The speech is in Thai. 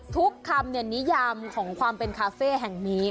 ทุกคำนิยามของความเป็นคาเฟ่แห่งนี้